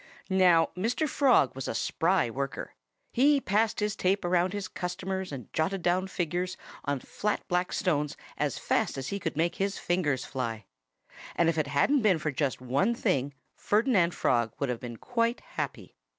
Now, Mr. Frog was a spry worker. He passed his tape around his customers and jotted down figures on flat, black stones as fast as he could make his fingers fly. And if it hadn't been for just one thing Ferdinand Frog would have been quite happy.